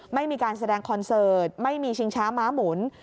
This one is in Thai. ไม่มีการแสดงคอนเสิร์ตไม่มีชิงช้าม้าหมุน